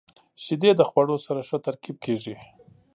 • شیدې د خوړو سره ښه ترکیب کیږي.